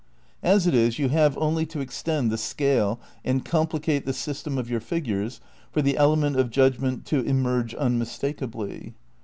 As it is you have only to extend the scale and complicate the system of your figures for the element of judgment to emerge unmistakably.